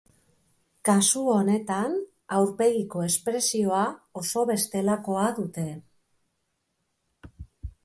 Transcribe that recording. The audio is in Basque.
Kasu honetan, aurpegiko espresioa oso bestelakoa dute.